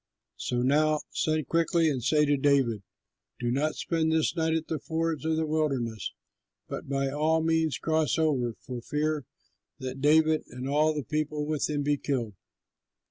So now send quickly and say to David, 'Do not spend this night at the fords of the wilderness, but by all means cross over, for fear that David and all the people with him be killed.'"